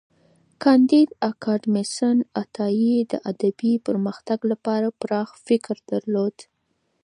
کانديد اکاډميسن عطايي د ادبي پرمختګ لپاره پراخ فکر درلود.